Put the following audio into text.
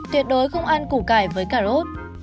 tuyệt đối không ăn củ cải với cà rốt